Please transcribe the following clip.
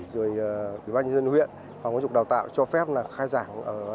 rồi bác nhân dân huyện phòng hóa trục đào tạo cho phép khai giảng